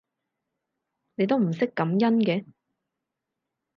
你都唔識感恩嘅